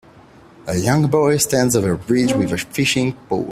A young boy stands over a bridge with a fishing pole.